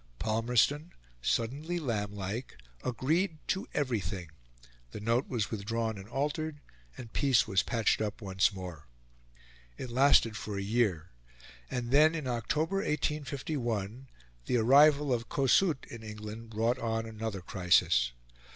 Palmerston, suddenly lamblike, agreed to everything; the note was withdrawn and altered, and peace was patched up once more. It lasted for a year, and then, in October, 1851, the arrival of Kossuth in England brought on another crisis.